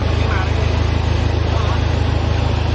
พี่ชอบจริงบอกว่าชอบทุก